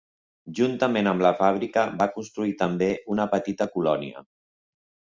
Juntament amb la fàbrica va construir també una petita colònia.